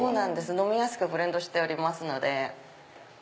飲みやすくブレンドしておりますので。